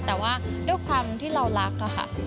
แต่ว่าด้วยความที่เรารักค่ะ